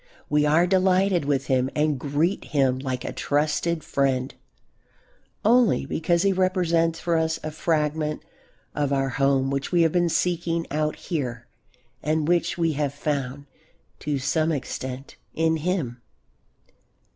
We are delighted with him and greet him like a trusted friend only because he represents for us a fragment of our home which we have been seeking out here and which we have found, to some extent, in him.